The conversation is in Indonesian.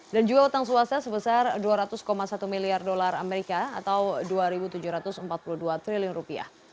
dan juga utang swasta sebesar dua ratus satu miliar dolar amerika atau dua tujuh ratus empat puluh dua triliun rupiah